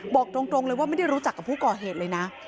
บอกตรงเลยว่าไม่ได้รู้จักกับผู้ก่อเหตุเลยนะ